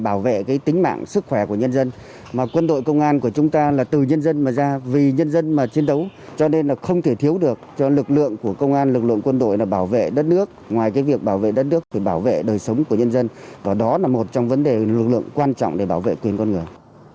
bảo vệ cái tính mạng sức khỏe của nhân dân mà quân đội công an của chúng ta là từ nhân dân mà ra vì nhân dân mà chiến đấu cho nên là không thể thiếu được cho lực lượng của công an lực lượng quân đội là bảo vệ đất nước ngoài cái việc bảo vệ đất nước để bảo vệ đời sống của nhân dân và đó là một trong vấn đề lực lượng quan trọng để bảo vệ quyền con người